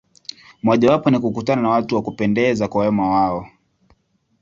Mojawapo ni kukutana na watu wa kupendeza kwa wema wao.